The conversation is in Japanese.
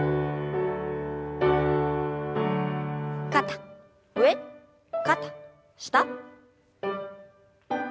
肩上肩下。